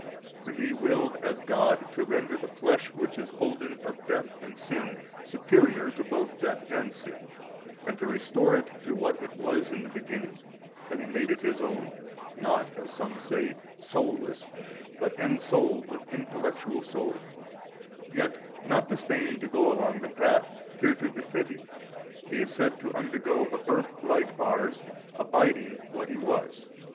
For He willed as God to render the flesh which is holden of death and sin, superior to both death and sin, and to restore it to what it was in the beginning, having made it His own, not (as some say) soulless but ensouled with intellectual soul: yet, not disdaining to go along the path hereto befitting, He is said to undergo a birth like ours, abiding what He was.